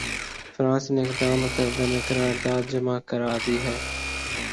France نے اقدام متحدہ میں قرارداد جمع کرا دی ہے۔